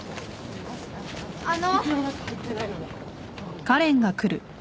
・あの。